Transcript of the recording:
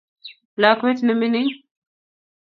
lakwet nemining